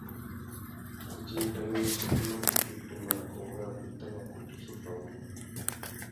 Itindikana izí tu mà kutu tumba nà kônkô rabú i tà mà kutu zu fá nguru.